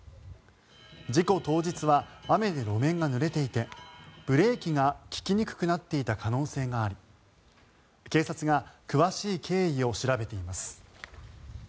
事故当日は雨で路面がぬれていてブレーキが利きにくくなっていた可能性があり警察が詳しい経緯を調べています。